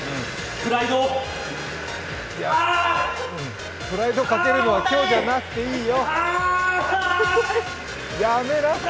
プライドかけるのは今日じゃなくていいよ。